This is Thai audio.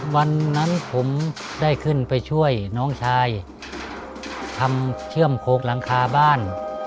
วันนั้นผมได้ขึ้นไปช่วยน้องชายทำเชื่อมโคกหลังคาบ้าน